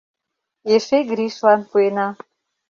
— Эше Гришлан пуэна.